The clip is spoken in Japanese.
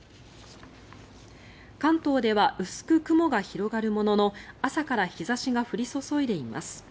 関東では薄く雲が広がるものの朝から日差しが降り注いでいます。